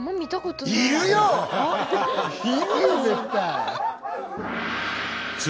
いるよ絶対！